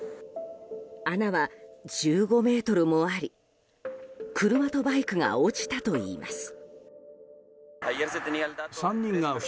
穴は１５ｍもあり車とバイクが落ちたといいます。